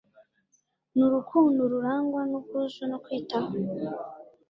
nurukundo rurangwa nubwuzu no kwitaho